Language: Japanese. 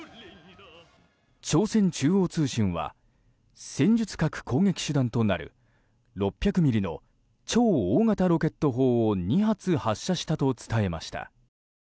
朝鮮中央通信は戦術核攻撃手段となる６００ｍｍの超大型ロケット砲を２発発射したと伝えました。